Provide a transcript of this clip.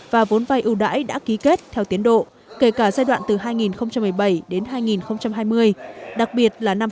và vốn vai ưu đãi đã ký kết theo tiến độ kể cả giai đoạn từ hai nghìn một mươi bảy đến hai nghìn hai mươi đặc biệt là năm hai nghìn hai mươi